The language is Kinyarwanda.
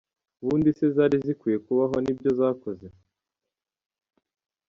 Ubundi se zari zikwiriye kubaho nibyo zakoze ?